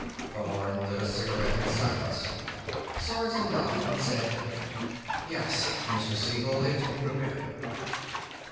Thorn lit a cigarette in silence. Sorensen nodded and said, "Yes, Mr. Siegel, it would've been."